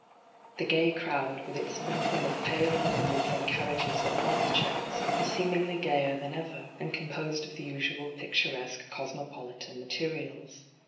The gay crowd, with its sprinkling of pale invalids in carriages or bath chairs, was seem ingly gayer than ever, and composed of the usual picturesque cosmopolitan materials.